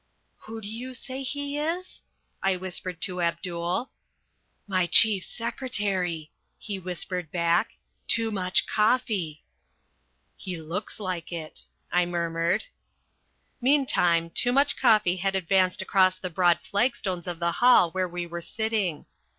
"Who do you say he is?" I whispered to Abdul. "My chief secretary," he whispered back. "Toomuch Koffi." "He looks like it," I murmured. Meantime, Toomuch Koffi had advanced across the broad flagstones of the hall where we were sitting.